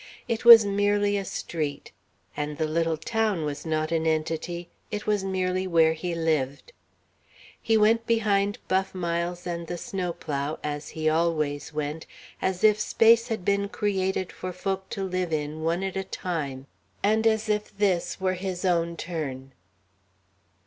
It was merely a street. And the little town was not an entity. It was merely where he lived. He went behind Buff Miles and the snowplow as he always went as if space had been created for folk to live in one at a time, and as if this were his own turn.